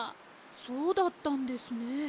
そうだったんですね。